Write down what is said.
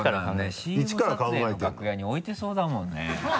ＣＭ撮影の楽屋に置いてそうだもんね。